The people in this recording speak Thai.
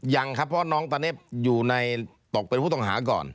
ยังครับเพราะน้องตอนนี้อยู่ในตกเป็นผู้ต้องหาก่อน